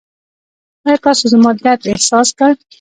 ایا تاسو زما درد احساس کړ؟